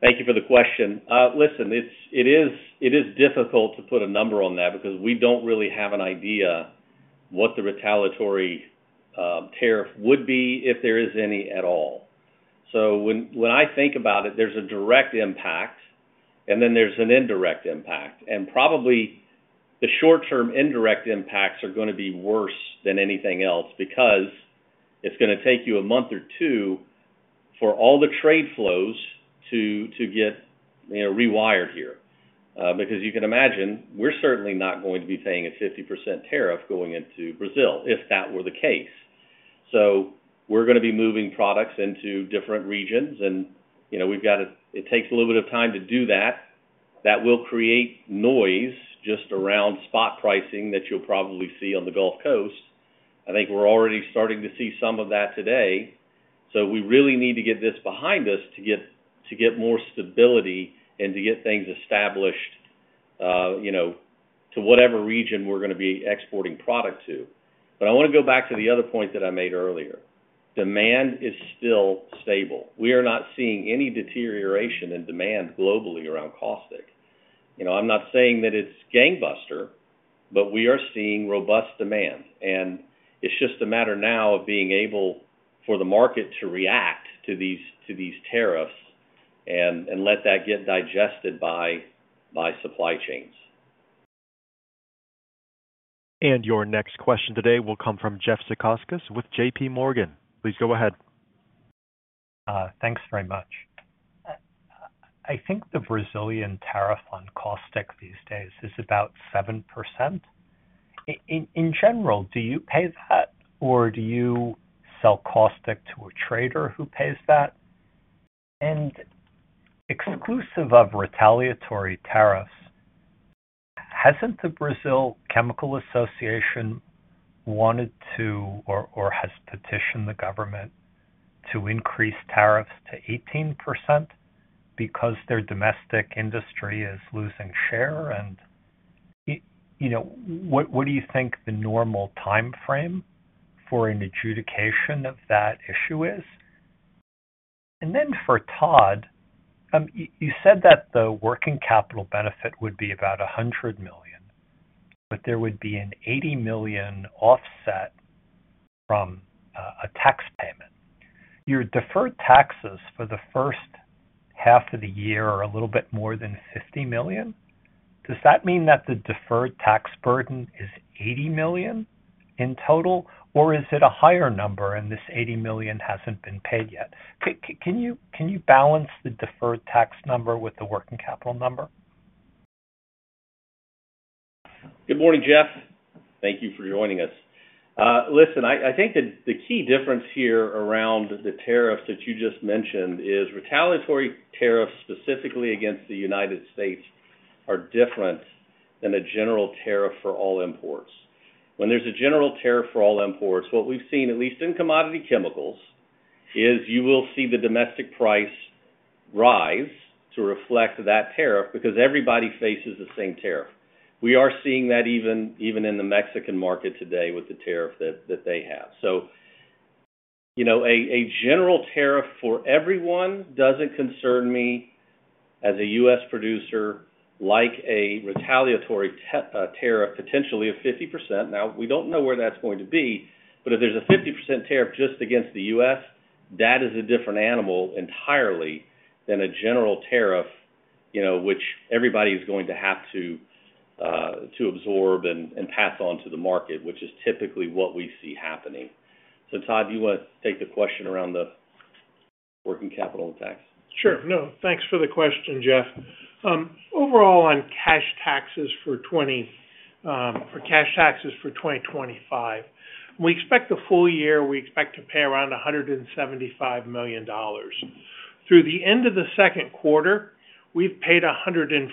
thank you for the question. Listen, it is difficult to put a number on that because we don't really have an idea what the retaliatory tariff would be, if there is any at all. When I think about it, there's a direct impact and then there's an indirect impact. Probably the short-term indirect impacts are going to be worse than anything else because it's going to take you a month or two for all the trade flows to get rewired here because you can imagine we're certainly not going to be paying a 50% tariff going into Brazil if that were the case. We're going to be moving products into different regions and, you know, we've got it. It takes a little bit of time to do that. That will create noise just around spot pricing that you'll probably see on the Gulf Coast. I think we're already starting to see some of that today. We really need to get this behind us to get more stability and to get things established, you know, to whatever region we're going to be exporting product to. I want to go back to the other point that I made earlier. Demand is still stable. We are not seeing any deterioration in demand globally around caustic soda. I'm not saying that it's gangbuster, but we are seeing robust demand and it's just a matter now of being able for the market to react to these tariffs and let that get digested by supply chains. Your next question today will come from Jeff Zekauskas with JPMorgan. Please go ahead. Thanks very much. I think the Brazilian tariff on caustic these days is about 7% in general. Do you pay that or do you sell caustic to a trader who pays that? Exclusive of retaliatory tariffs, hasn't the Brazil Chemical Association wanted to or has petitioned the government to increase tariffs to 18% because their domestic industry is losing share? What do you think the normal time frame for an adjudication of that issue is? For Todd, you said that the working capital benefit would be about $100 million, but there would be an $80 million offset from a tax payment, your deferred taxes for the first half of the year are a little bit more than $50 million. Does that mean that the deferred tax burden is $80 million in total or is it a higher number? This $80 million hasn't been paid yet. Can you balance the deferred tax number with the working capital number? Good morning, Jeff. Thank you for joining us. I think that the key difference here around the tariffs that you just mentioned is retaliatory tariffs specifically against the United States are different than a general tariff for all imports. When there's a general tariff for all imports, what we've seen, at least in commodity chemicals, is you will see the domestic price rise to reflect that tariff because everybody faces the same tariff. We are seeing that even in the Mexican market today with the tariff that they have. A general tariff for. Everyone doesn't concern me as a U.S. producer like a retaliatory tariff potentially of 50%. We don't know where that's going to be. If there's a 50% tariff just against the U.S., that is a different animal entirely than a general tariff, which everybody is going to have to absorb and pass on to the market, which is typically what we see happening. Todd, do you want to take the question around the working capital tax? Sure. No, thanks for the question, Jeff. Overall, on cash taxes for 2025, we expect the full year, we expect to pay around $175 million. Through the end of the second quarter, we've paid $144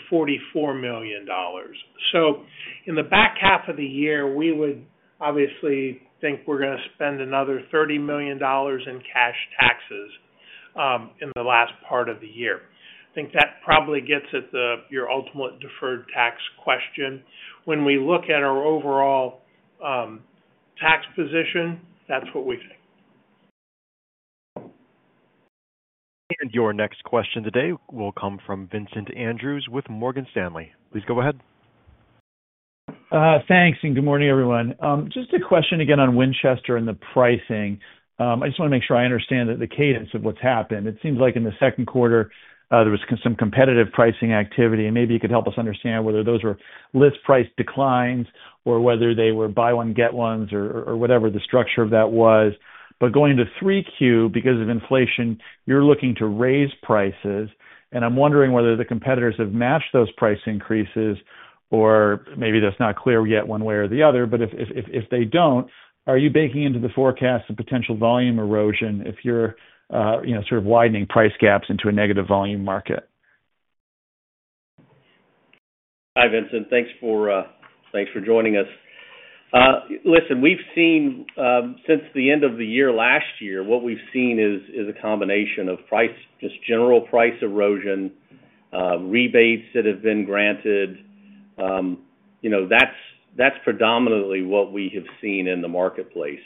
million. In the back-half of the year, we would obviously think we're going to spend another $30 million in cash taxes in the last part of the year. I think that probably gets at your ultimate deferred tax question. When we look at our overall tax position, that's what we think. Your next question today will come from Vincent Andrews with Morgan Stanley. Please go ahead. Thanks and good morning, everyone. Just a question again on Winchester and the pricing. I just want to make sure I understand the cadence of what's happened. It seems like in the second quarter there was some competitive pricing activity, and maybe you could help us understand whether those were list price declines or whether they were buy one, get ones or whatever the structure of that was. Going to 3Q, because of inflation, you're looking to raise prices. I'm wondering whether the competitors have matched those price increases or maybe that's not clear yet one way or the other. If they don't, are you baking into the forecast a potential volume erosion if you're sort of widening price gaps into a negative volume market? Hi Vincent, thanks for joining us. We've seen since the end of the year, last year, what we've seen is a combination of price, just general price erosion, rebates that have been granted. That's predominantly what we have seen in the marketplace.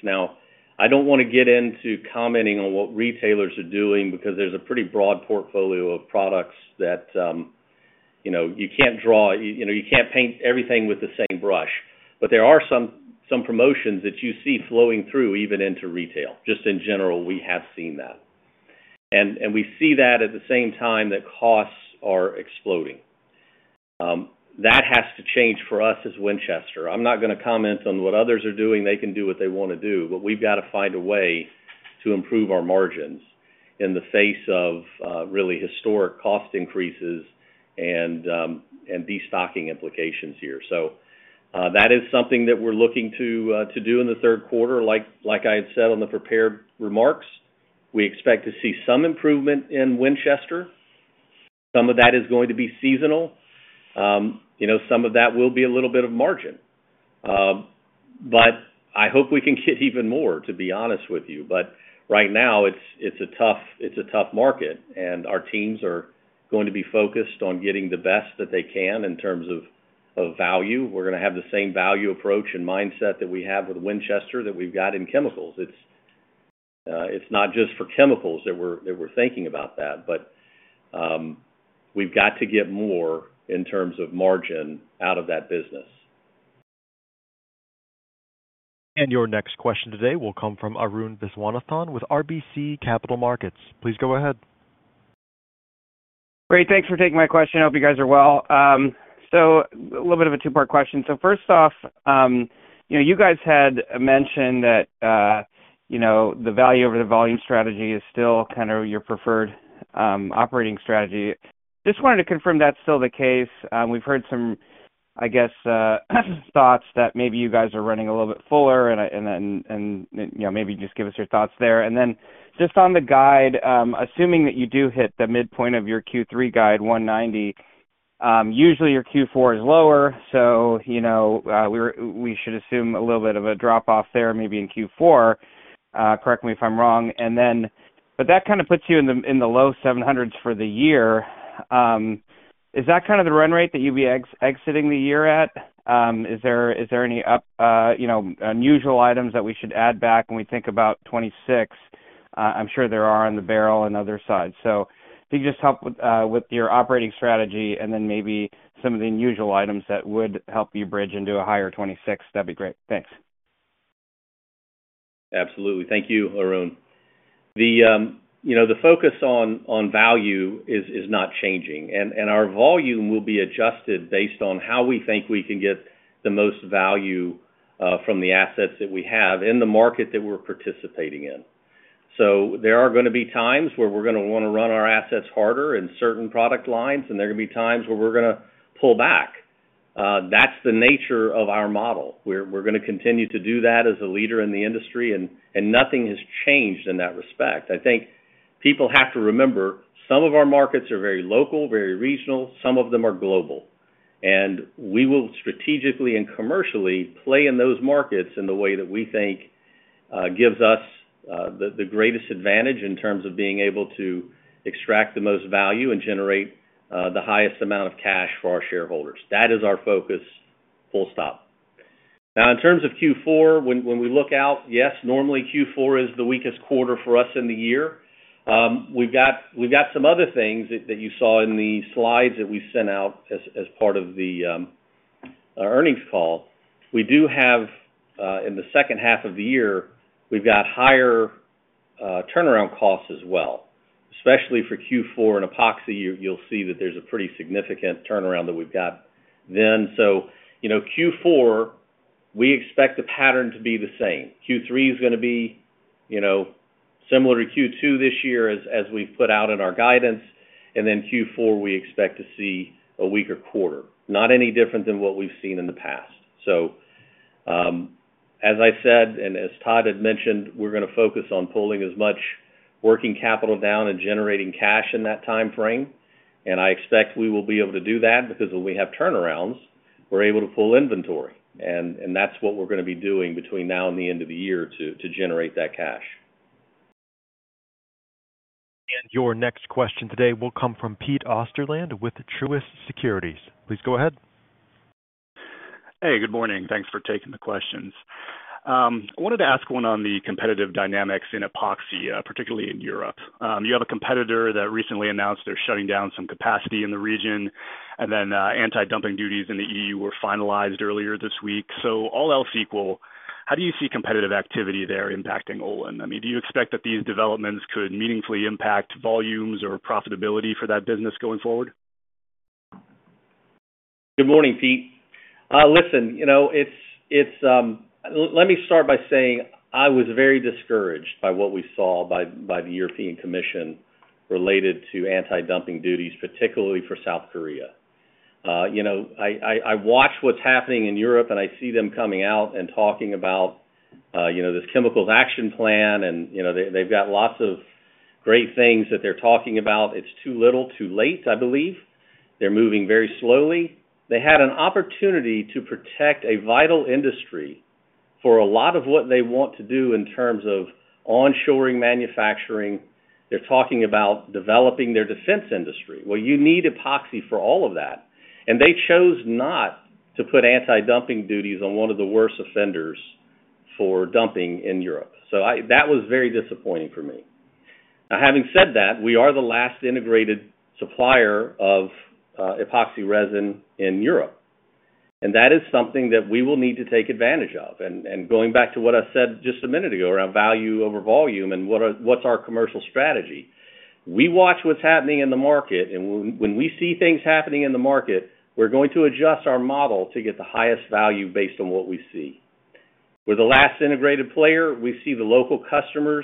I don't want to get into commenting on what retailers are doing because there's a pretty broad portfolio of products that, you know, you can't draw, you can't paint everything with the same brush. There are some promotions that you see flowing through even into retail. In general, we have seen that, and we see that at the same time that costs are exploding. That has to change for us as Winchester. I'm not going to comment on what others are doing. They can do what they want to do. We've got to find a way to improve our margins in the face of really historic cost increases and destocking implications here. That is something that we're looking to do in the third quarter. Like I had said on the prepared remarks, we expect to see some improvement in Winchester. Some of that is going to be seasonal. Some of that will be a little bit of margin, but I hope we can get even more, to be honest with you. Right now it's a tough market, and our teams are going to be focused on getting the best that they can in terms of value. We're going to have the same value approach and mindset that we have with Winchester that we got in chemicals. It's not just for chemicals that we're thinking about that, but we've got to get more in terms of margin out of that business. Your next question today will come from Arun Viswanathan with RBC Capital Markets. Please go ahead. Great. Thanks for taking my question. I hope you guys are well. A little bit of a two-part question. First off, you guys had mentioned that the value-over-volume strategy is still kind of your preferred operating strategy. Just wanted to confirm that's still the case. We've heard some, I guess, thoughts that maybe you guys are running a little bit fuller and maybe just give us your thoughts there. On the guide, assuming that you do hit the midpoint of your Q3 guide, $190 million, usually your Q4 is lower. We should assume a little bit of a drop off there maybe in Q4. Correct me if I'm wrong. That kind of puts you in the low $700 million for the year. Is that kind of the run rate that you'd be exiting the year at? Is there any unusual items that we should add back? When we think about 2026, I'm sure there are on the barrel and other sides. If you just help with your operating strategy and then maybe some of the unusual items that would help you bridge into a higher 2026, that'd be great. Thanks. Absolutely. Thank you, Arun. The focus on value is not changing, and our volume will be adjusted based on how we think we can get the most value from the assets that we have in the market that we're participating in. There are going to be times where we're going to want to run our assets harder in certain product lines, and there are going to be times where we're going to pull back. That's the nature of our model. We're going to continue to do that as a leader in the industry, and nothing has changed in that respect. I think people have to remember some of our markets are very local, very regional, some of them are global. We will strategically and commercially play in those markets in the way that we think gives us the greatest advantage in terms of being able to extract the most value and generate the highest amount of cash for our shareholders. That is our focus, full stop. Now, in terms of Q4, when we look out, yes, normally Q4 is the weakest quarter for us in the year. We've got some other things that you saw in the slides that we sent out as part of the earnings call. We do have in the second half of the year, we've got higher turnaround costs as well, especially for Q4 and epoxy. You'll see that there's a pretty significant turnaround that we've got then. Q4, we expect the pattern to be the same. Q3 is going to be similar to Q2 this year, as we've put out in our guidance. Q4, we expect to see a weaker quarter, not any different than what we've seen in the past. As I said and as Todd had mentioned, we're going to focus on pulling as much working capital down and generating cash in that time frame. I expect we will be able to do that because when we have turnarounds, we're able to pull inventory, and that's what we're going to be doing between now and the end of the year to generate that cash. Your next question today will come from Pete Osterland with Truist Securities. Please go ahead. Hey, good morning. Thanks for taking the questions. I wanted to ask one on the competitive dynamics in epoxy, particularly in Europe. You have a competitor that recently announced. They're shutting down some capacity in the region. Anti-dumping duties in the E.U. were finalized earlier this week. All else equal, how do you see competitive activity there impacting Olin? Do you expect that these... Developments could meaningfully impact volumes or profitability for that business going forward? Good morning, Pete. Listen, let me start by saying I was very discouraged by what we saw by the European Commission related to anti-dumping duties, particularly for South Korea. I watch what's happening in Europe and I see them coming out and talking about this chemicals action plan and they've got lots of great things that they're talking about. It's too little, too late. I believe they're moving very slowly. They had an opportunity to protect a vital industry for a lot of what they want to do in terms of onshoring manufacturing. They're talking about developing their defense industry. You need epoxy for all of that. They chose not to put anti-dumping duties on one of the worst offenders for dumping in Europe. That was very disappointing for me. Having said that, we are the last integrated supplier of epoxy resin in Europe and that is something that we will need to take advantage of. Going back to what I said just a minute ago around value-over-volume and what's our commercial strategy, we watch what's happening in the market and when we see things happening in the market, we're going to adjust our model to get the highest value based on what we see. We're the last integrated player. We see the local customers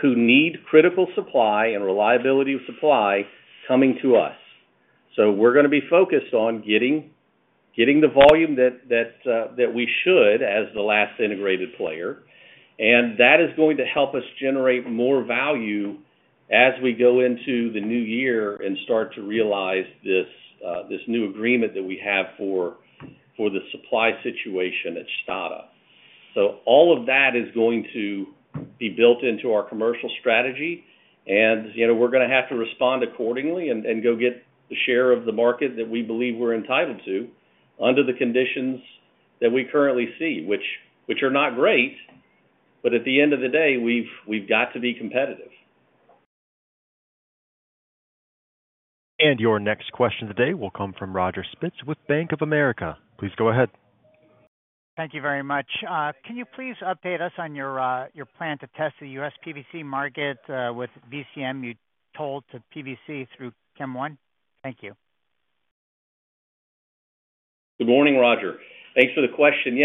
who need critical supply and reliability of supply coming to us. We're going to be focused on getting the volume that we should as the last integrated player. That is going to help us generate more value as we go into the new year and start to realize this new agreement that we have for the supply situation at Stade. All of that is going to be built into our commercial strategy and we're going to have to respond accordingly and go get the share of the market that we believe we're entitled to under the conditions that we currently see, which are not great. At the end of the day, we've got to be competitive. Your next question today will come from Roger Spitz with Bank of America. Please go ahead. Thank you very much. Can you please update us on your plan to test the U.S. PVC market with VCM? You sold to PVC through Chem One. Thank you. Good morning, Roger. Thanks for the question.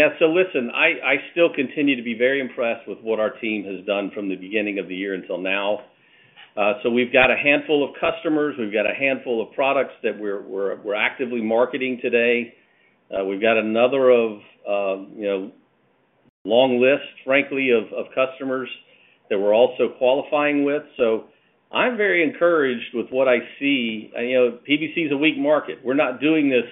I still continue to be very impressed with what our team has done from the beginning of the year until now. We've got a handful of customers, we've got a handful of products that we're actively marketing today. We've got another long list, frankly, of customers that we're also qualifying with. I'm very encouraged with what I see. PVC is a weak market. We're not doing this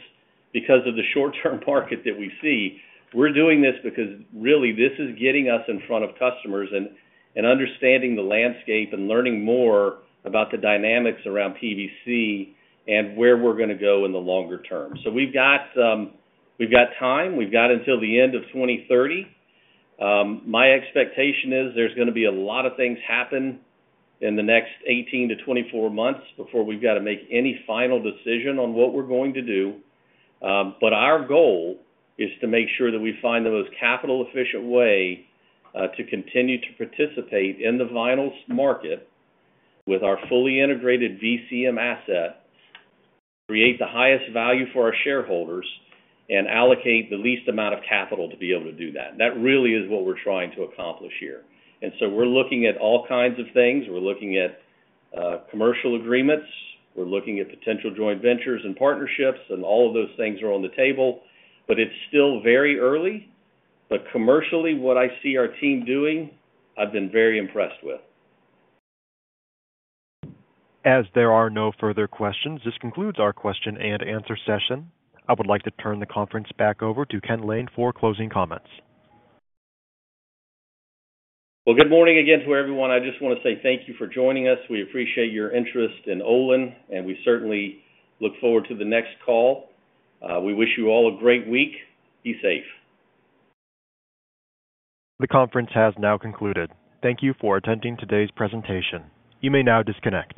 because of the short-term market that we see. We're doing this because this is getting us in front of customers and understanding the landscape and learning more about the dynamics around PVC and where we're going to go in the longer term. We've got time, we've got until the end of 2030. My expectation is there's going to be a lot of things happen in the next 18-24 months before we've got to make any final decision on what we're going to do. Our goal is to make sure that we find the most capital efficient way to continue to participate in the vinyl market with our fully integrated VCM asset, create the highest value for our shareholders, and allocate the least amount of capital to be able to do that. That really is what we're trying to accomplish here. We're looking at all kinds of things. We're looking at commercial agreements, we're looking at potential joint ventures and partnerships, and all of those things are on the table. It's still very early. Commercially, what I see our team doing, I've been very impressed with. As there are no further questions, this concludes our Q&A session. I would like to turn the conference back over to Ken Lane for closing comments. Good morning again to everyone. I just want to say thank you for joining us. We appreciate your interest in Olin and we certainly look forward to the next call. We wish you all a great week. Be safe. The conference has now concluded. Thank you for attending today's presentation. You may now disconnect.